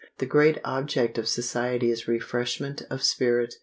The great object of society is refreshment of spirit.